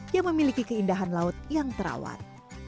yang memiliki keindahan laut yang terawat